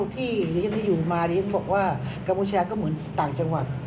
ที่อยู่มาฉันบอกกัมพูชาก็เหมือนต่างจังหวัด